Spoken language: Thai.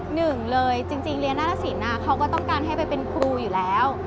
หนึ่งเลยจริงเรียนหน้าตสินเขาก็ต้องการให้ไปเป็นครูอยู่แล้ว